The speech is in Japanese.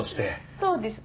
そうですね。